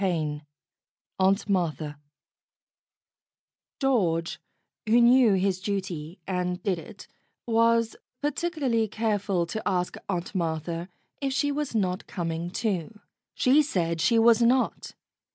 XIII AUNT MARTHA GEORGE, who knew his duty and did it, was particularly careful to ask Aunt Martha if she was not coming too. She said she was not.